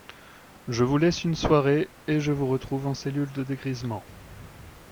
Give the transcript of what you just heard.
Je vous laisse une soirée et je vous retrouve en cellule de dégrisement !